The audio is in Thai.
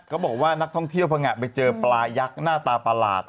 เขาบอกว่านักท่องเที่ยวพังงะไปเจอปลายักษ์หน้าตาประหลาด